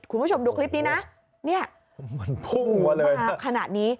คุณผู้ชมดูคลิปนี้นะเนี่ยมันพุ่งมาเลยฮะขนาดนี้